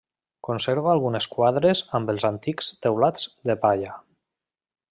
Conserva algunes quadres amb els antics teulats de palla.